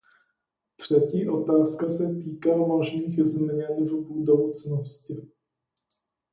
Třetí otázka se týká možných změn v budoucnosti.